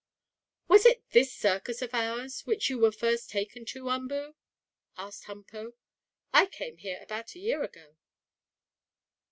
"Was it this circus of ours which you were first taken to, Umboo?" asked Humpo. "I came here about a year ago."